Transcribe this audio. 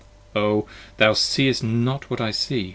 O! thou seest not what I see!